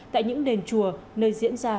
tại những đền chùa nơi diễn ra